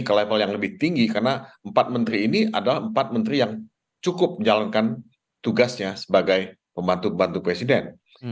ke level yang lebih tinggi karena empat menteri ini adalah empat menteri yang cukup menjalankan tugasnya sebagai pembantu pembantu presiden